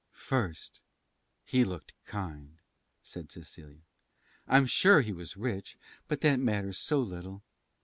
"First, he looked kind," said Cecilia. "I'm sure he was rich; but that matters so little.